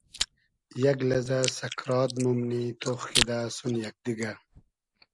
یئگ لئزۂ سئکرات مومنی تۉخ کیدۂ سون یئگ دیگۂ